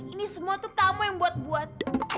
ini semua tuh tamu yang buat buat